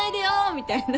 みたいな。